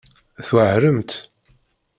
Tweɛremt.